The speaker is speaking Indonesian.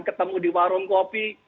ketemu di warung kopi